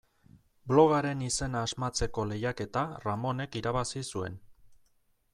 Blogaren izena asmatzeko lehiaketa Ramonek irabazi zuen.